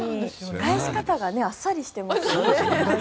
返し方があっさりしてますよね。